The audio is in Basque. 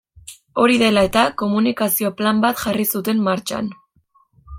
Hori dela eta, komunikazio plan bat jarri zuten martxan.